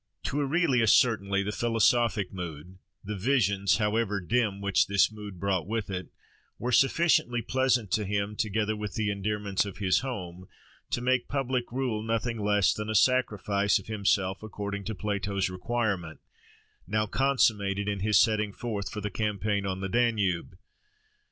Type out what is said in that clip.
To Aurelius, certainly, the philosophic mood, the visions, however dim, which this mood brought with it, were sufficiently pleasant to him, together with the endearments of his home, to make public rule nothing less than a sacrifice of himself according to Plato's requirement, now consummated in his setting forth for the campaign on the Danube.